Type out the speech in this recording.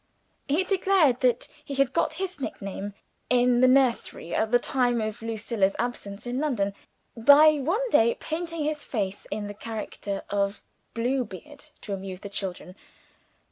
He declared that he had got his nick name in the nursery, at the time of Lucilla's absence in London, by one day painting his face in the character of Bluebeard to amuse the children!